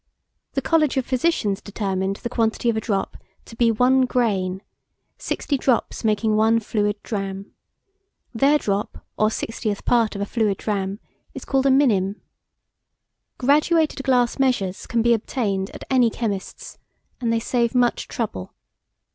The College of Physicians determined the quantity of a drop to be one grain, 60 drops making one fluid drachm. Their drop, or sixtieth part of a fluid drachm, is called a minim. [Illustration: Fig. 22.] Graduated class measures can be obtained at any chemist's, and they save much trouble.